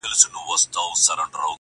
لا یې خوله وي د غلیم په کوتک ماته؛؛!